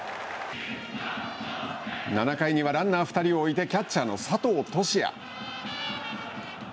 ７回にはランナー２人を置いてキャッチャーの佐藤都志也。